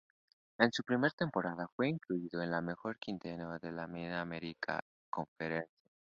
En su primera temporada fue incluido en el mejor quinteto de la Mid-American Conference.